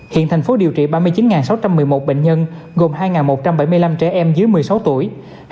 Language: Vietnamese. hiện thành phố điều trị ba mươi chín sáu trăm một mươi một bệnh nhân gồm hai một trăm bảy mươi năm trẻ em dưới một mươi sáu tuổi